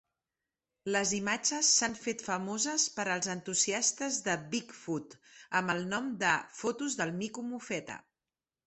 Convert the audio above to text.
Les imatges s'han fet famoses per als entusiastes de Bigfoot amb el nom de "fotos del mico mofeta".